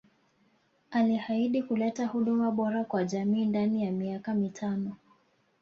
Alihaidi kuleta huduma bora kwa jamii ndani ya miaka mitano